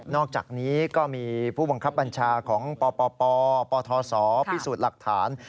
อกจากนี้ก็มีผู้บังคับบัญชาของปปทศพิสูจน์หลักฐาน